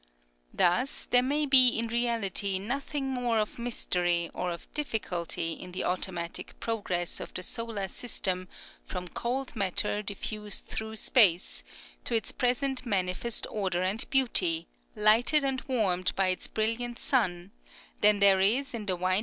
Thus there may be in reality nothing more of mystery or of difficulty in the automatic progress of the solar system from cold matter diffused through space, to its present manifest order and beauty, lighted and warmed by its brilliant sun, than there is in the wind Astronomical Society of the Pacific.